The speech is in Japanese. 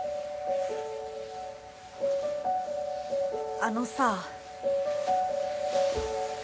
あのさ。